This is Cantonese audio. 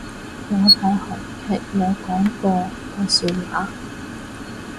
我睇韓劇有講過個笑話